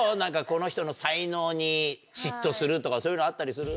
この人の才能に嫉妬するとかそういうのあったりする？